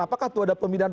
apakah tua da pembinaan